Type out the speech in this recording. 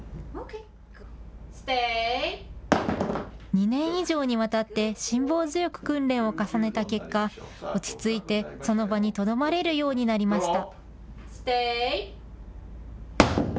２年以上にわたって辛抱強く訓練を重ねた結果、落ち着いてその場にとどまれるようになりました。